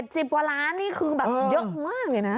สิบกว่าล้านนี่คือแบบเยอะมากเลยนะ